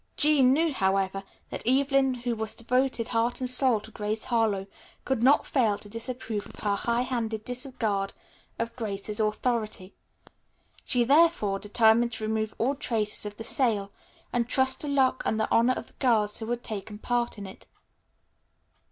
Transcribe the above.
Jean knew, however, that Evelyn, who was devoted heart and soul to Grace Harlowe, could not fail to disapprove of her high handed disregard of Grace's authority. She, therefore, determined to remove all traces of the sale and trust to luck and the honor of the girls who had taken part in it.